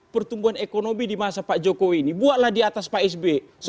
pertumbuhan ekonomi di masa pak jokowi ini buatlah di atas pak sby